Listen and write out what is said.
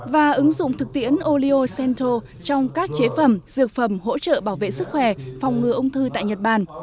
và ứng dụng thực tiễn oleo cento trong các chế phẩm dược phẩm hỗ trợ bảo vệ sức khỏe phòng ngừa ung thư tại nhật bản